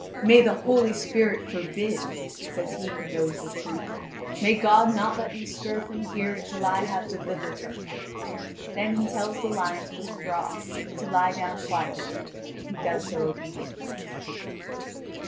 "May the Holy Spirit forbid!" says he who knows the truth; "may God not let me stir from here until I have delivered her!" Then he tells the lion to withdraw and to lie down quietly, and he does so obediently.